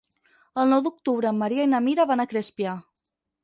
El nou d'octubre en Maria i na Mira van a Crespià.